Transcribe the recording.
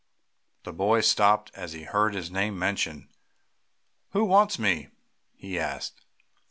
The boy stopped as he heard his name mentioned. "Who wants me?" he asked.